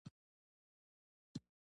اوبه د حرارت ضد دي